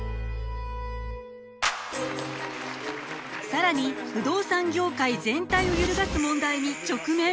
更に不動産業界全体を揺るがす問題に直面！